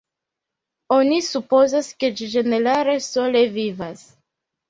Oni supozas ke ĝi ĝenerale sole vivas.